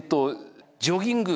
ジョギング。